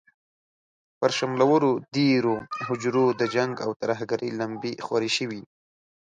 پر شملورو دېرو، هوجرو د جنګ او ترهګرۍ لمبې خورې شوې.